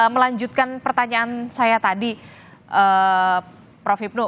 melanjutkan pertanyaan saya tadi prof hipnu